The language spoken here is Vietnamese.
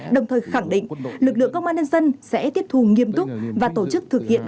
đồng thời khẳng định lực lượng công an nhân dân sẽ tiếp thù nghiêm túc và tổ chức thực hiện